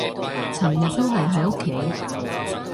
尋日都係喺屋企